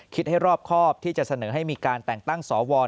คิดให้รอบครอบที่จะเสนอให้มีการแต่งตั้งสว